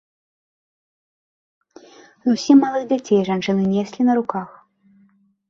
Зусім малых дзяцей жанчыны неслі на руках.